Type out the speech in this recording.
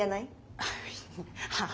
はあ？